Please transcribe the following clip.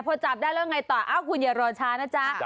พอจับแล้วเรายังไงต่อเอ้าคุณอย่ารอช้านะจ๊ะ